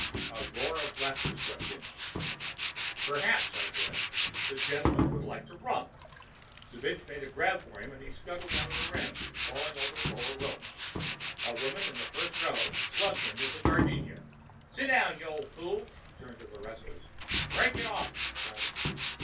A roar of laughter swept it. "Perhaps," I said, "the gentleman would like to romp." Zbich made a grab for him and he scuttled out of the ring, falling over the lower rope. A woman in the first row slugged him with a gardenia. "Sit down, you old fool!" She turned to the wrestlers. "Break it off!" she shouted.